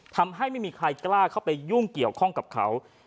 ทำให้ไม่มีใครกล้าเข้าไปยุ่งเกี่ยวข้องกับเขา